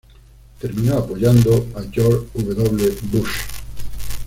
Terminó apoyando a George W. Bush.